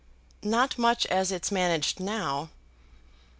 "Not much as it's managed now."